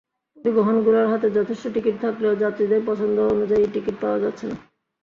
পরিবহনগুলোর হাতে যথেষ্ট টিকিট থাকলেও যাত্রীদের পছন্দ অনুযায়ী টিকিট পাওয়া যাচ্ছে না।